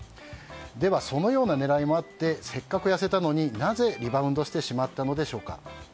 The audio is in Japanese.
では、そのような狙いもあってせっかく痩せたのになぜ、リバウンドしてしまったのでしょうか。